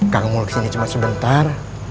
kang mul kesini cuma sebentar